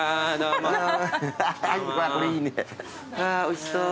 あぁおいしそう。